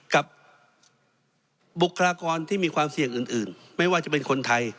บุคลากรที่มีความเสี่ยงอื่นไม่ว่าจะเป็นคนไทย